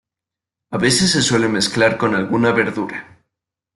A veces se suelen mezclar con alguna verdura.